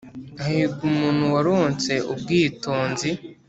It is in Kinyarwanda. Hahirwa umuntu waronse ubwitonzi,